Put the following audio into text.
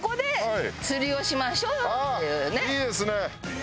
いいですね。